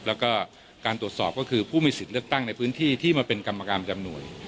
แล้วก็การตรวจสอบก็คือผู้มีสิทธิ์เลือกตั้งในพื้นที่ที่มาเป็นกรรมการประจำหน่วย